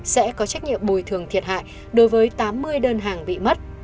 sẽ có trách nhiệm bồi thường thiệt hại đối với tám mươi đơn hàng bị mất